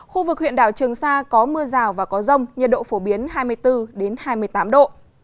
khu vực huyện đảo trường sa có mưa rào và có rông nhiệt độ phổ biến hai mươi bốn hai mươi tám độ